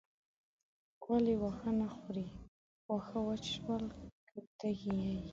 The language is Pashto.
ولې واښه نه خورې واښه وچ شول که تږې یې.